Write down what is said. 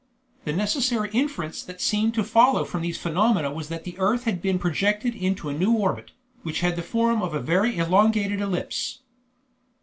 The necessary inference that seemed to follow from these phenomena was that the earth had been projected into a new orbit, which had the form of a very elongated ellipse.